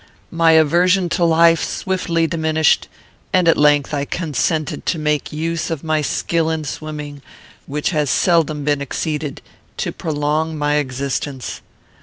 My aversion to life swiftly diminished, and at length I consented to make use of my skill in swimming, which has seldom been exceeded, to prolong my existence.